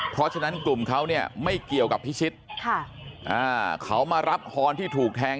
เพราะฉะนั้นกลุ่มเขาเนี่ยไม่เกี่ยวกับพิชิตค่ะอ่าเขามารับฮอนที่ถูกแทง